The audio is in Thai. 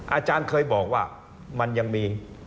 อาจารย์เคยบอกว่ามันยังมี